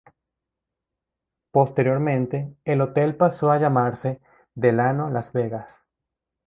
Posteriormente, el hotel pasó a llamarse "Delano Las Vegas".